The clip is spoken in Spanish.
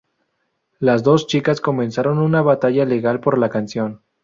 Las dos chicas comenzaron una batalla legal por la canción.